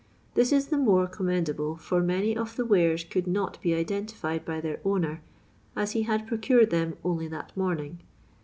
This is the more com mendable, for many of the wares could not be identified by their owner, as he had procured them only that morning.